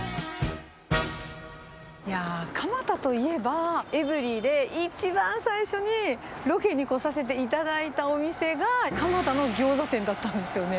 いやあ、蒲田といえばエブリィで一番最初にロケに来させていただいたお店が、蒲田のギョーザ店だったんですよね。